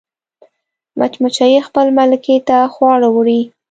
مچمچۍ خپل ملکې ته خواړه وړي